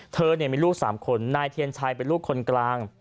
เธอมีลูก๓คนนายเทียนชัยเป็นลูกคนกลาง